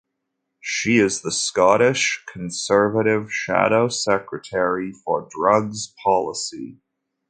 She is the Scottish Conservative Shadow Secretary for drugs policy.